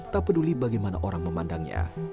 tak peduli bagaimana orang memandangnya